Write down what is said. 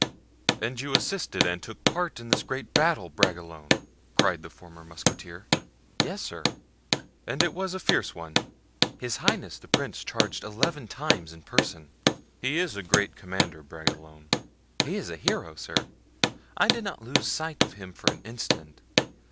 "And you assisted and took part in this great battle, Bragelonne!" cried the former musketeer. "Yes, sir." "And it was a fierce one?" "His highness the prince charged eleven times in person." "He is a great commander, Bragelonne." "He is a hero, sir. I did not lose sight of him for an instant.